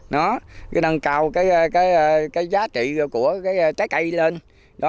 nâng cao giá trị của trái cây lên